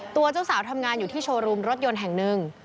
เจ้าสาวทำงานอยู่ที่โชว์รูมรถยนต์แห่งหนึ่ง